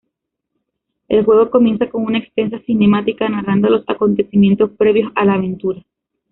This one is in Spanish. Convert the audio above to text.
El juego comienza con una extensa cinemática narrando los acontecimientos previos a la aventura.